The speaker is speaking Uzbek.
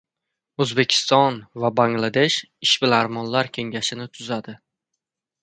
O‘zbekiston va Bangladesh Ishbilarmonlar kengashini tuzadi